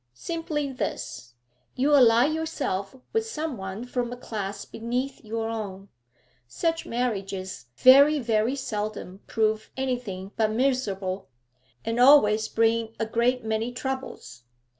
'Simply this. You ally yourself with some one from a class beneath your own. Such marriages very, very seldom prove anything but miserable, and always bring a great many troubles.